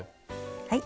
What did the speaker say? はい。